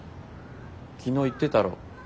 昨日言ってたろ。